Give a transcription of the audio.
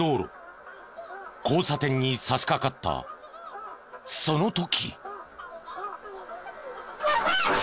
交差点に差しかかったその時。